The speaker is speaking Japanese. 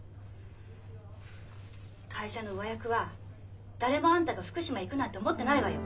会社の上役は誰もあんたが福島行くなんて思ってないわよ。